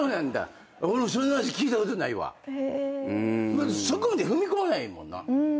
まずそこまで踏み込まないもんな。